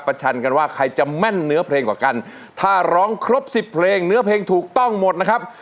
ชันกันว่าใครจะแม่นเนื้อเพลงกว่ากันถ้าร้องครบสิบเพลงเนื้อเพลงถูกต้องหมดนะครับ